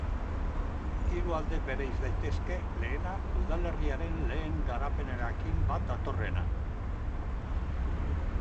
Hiru alde bereiz daitezke, lehena, udalerriaren lehen garapenarekin bat datorrena.